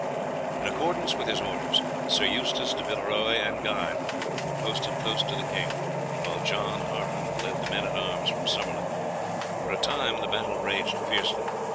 In accordance with his orders, Sir Eustace de Villeroy and Guy were posted close to the king, while John Harpen led the men at arms from Summerley. For a time the battle raged fiercely.